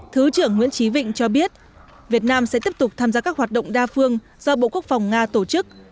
thứ trưởng nguyễn trí vịnh cho biết việt nam sẽ tiếp tục tham gia các hoạt động đa phương do bộ quốc phòng nga tổ chức